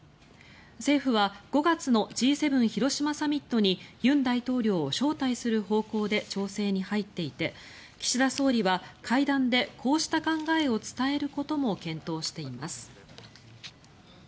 政府は５月のＧ７広島サミットに尹大統領を招待する方向で調整に入っていて岸田総理は会談でこうした考えを伝えることも検討しています。